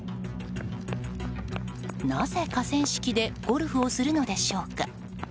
なぜ、河川敷でゴルフをするのでしょうか？